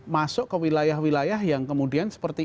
masuk ke wilayah wilayah yang kemudian seperti